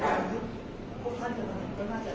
แต่ว่าไม่มีปรากฏว่าถ้าเกิดคนให้ยาที่๓๑